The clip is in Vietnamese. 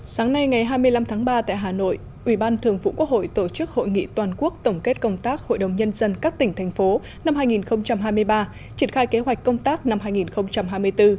sáng nay ngày hai mươi năm tháng ba tại hà nội ủy ban thường vụ quốc hội tổ chức hội nghị toàn quốc tổng kết công tác hội đồng nhân dân các tỉnh thành phố năm hai nghìn hai mươi ba triển khai kế hoạch công tác năm hai nghìn hai mươi bốn